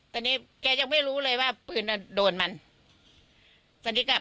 ตอนนี้แกยังไม่รู้เลยว่าปืนอ่ะโดนมันตอนนี้กลับ